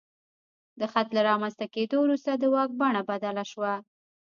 د خط له رامنځته کېدو وروسته د واک بڼه بدله شوه.